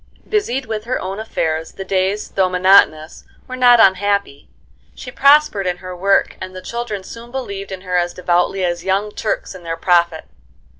Busied with her own affairs, the days though monotonous were not unhappy. She prospered in her work and the children soon believed in her as devoutly as young Turks in their Prophet.